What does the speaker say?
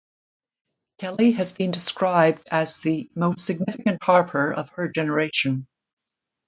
Kelly has been described as the "most significant harper of her generation".